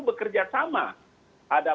bekerja sama ada